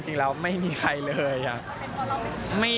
จริงแล้วไม่มีใครเลยอะ